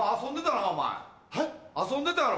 遊んでたな？